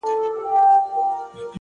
د حقیقت لټون ذهن بیدار ساتي.